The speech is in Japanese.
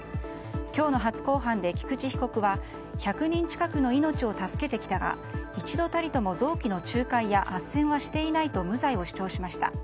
今日の初公判で菊池被告は１００人近くの命を助けてきたが一度たりとも臓器の仲介やあっせんはしていないと無罪を主張しました。